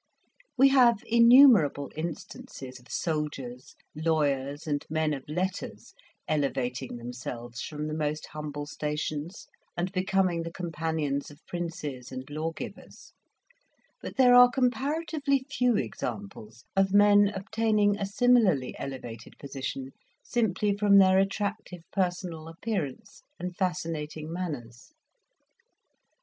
We have innumerable instances of soldiers, lawyers, and men of letters, elevating themselves from the most humble stations, and becoming the companions of princes and lawgivers; but there are comparatively few examples of men obtaining a similarly elevated position simply from their attractive personal appearance and fascinating manners.